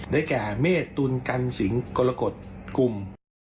ในแก่เมตุลกันสิงห์กรกฎกุม